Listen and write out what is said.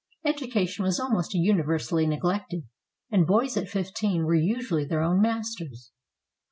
Education was almost universally neglected; and boys at fifteen were usually their own masters.